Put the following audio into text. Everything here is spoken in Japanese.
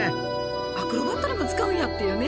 アクロバットにも使うんやっていうね。